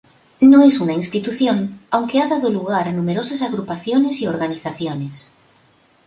No es una institución, aunque ha dado lugar a numerosas agrupaciones y organizaciones.